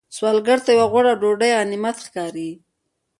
سوالګر ته یو غوړه ډوډۍ غنیمت ښکاري